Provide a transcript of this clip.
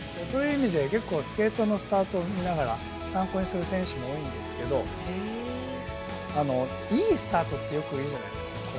そういう意味で結構スケートのスタートを見ながら参考にする選手も多いんですけどいいスタートってよく言うじゃないですか。